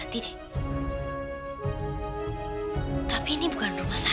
tante aku gak mau